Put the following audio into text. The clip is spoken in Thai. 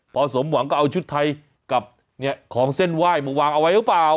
พอสมหวังก็เอาชุดไทยกับของเส้นไหว้มาวางเอาไว้หรือเปล่า